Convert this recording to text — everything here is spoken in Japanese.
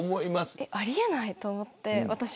私はあり得ないと思って。